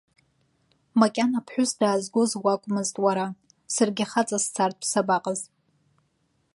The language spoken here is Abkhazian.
Макьана ԥҳәыс даазгоз уакәмызт уара, саргьы хаҵа сцартә сабаҟаз.